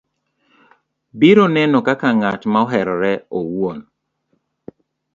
biro neno kaka ng'at moherore owuon